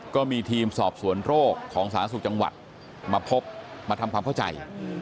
ก็มีทีมสอบสวนโรคของสาธารณสุขจังหวัดมาพบมาทำความเข้าใจ